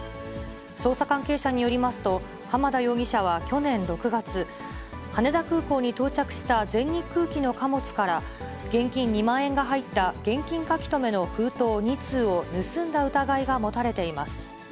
捜査関係者によりますと、浜田容疑者は去年６月、羽田空港に到着した全日空機の貨物から、現金２万円が入った現金書留の封筒２通を盗んだ疑いが持たれています。